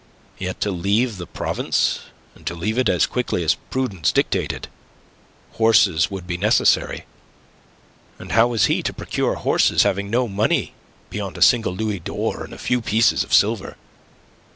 Yet to leave the province, and to leave it as quickly as prudence dictated, horses would be necessary. And how was he to procure horses, having no money beyond a single louis d'or and a few pieces of silver?